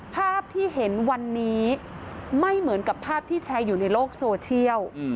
ภาพที่เห็นวันนี้ไม่เหมือนกับภาพที่แชร์อยู่ในโลกโซเชียล